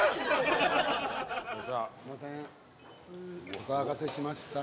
お騒がせしました。